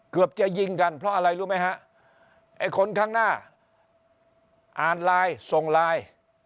เกือบจะยิงกันเพราะอะไรรู้ไหมฮะไอ้คนข้างหน้าอ่านไลน์ส่งไลน์